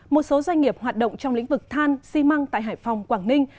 một số doanh nghiệp hoạt động trong lĩnh vực than xi măng tại hải phòng quảng ninh